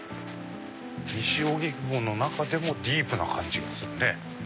西荻窪の中でもディープな感じがするね。